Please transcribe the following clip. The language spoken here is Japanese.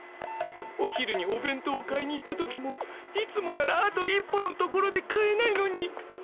お昼におべん当を買いに行った時もいつもならあと一歩のところで買えないのに。